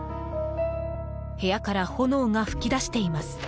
部屋から炎が噴き出しています。